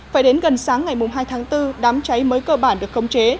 phải đến gần sáng ngày hai tháng bốn đám cháy mới cơ bản được khống chế